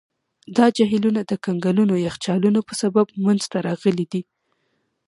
دا جهیلونه د کنګلونو یخچالونو په سبب منځته راغلي دي.